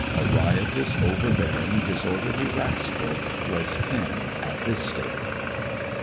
A riotous, overbearing, disorderly rascal was Finn at this stage.